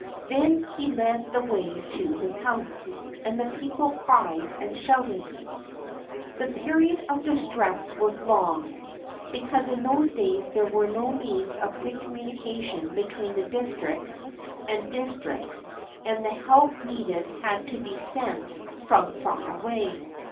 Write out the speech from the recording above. Then he led the way to his house; and the people cried and shouted. The period of distress was long, because in those days there were no means of quick communication between district and district, and the help needed had to be sent 350 HOW A MAN BECAME A GOD from far away.